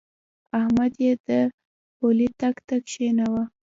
احمد يې د پولۍ ټک ته کېناوو.